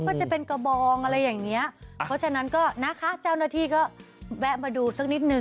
ก็จะเป็นกระบองอะไรอย่างเงี้ยเพราะฉะนั้นก็นะคะเจ้าหน้าที่ก็แวะมาดูสักนิดนึง